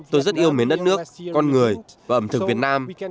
tôi rất yêu mến đất nước con người và ẩm thực việt nam